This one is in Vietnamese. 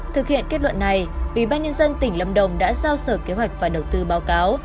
thực hiện kết luận này ủy ban nhân dân tỉnh lâm đồng đã giao sở kế hoạch và đầu tư báo cáo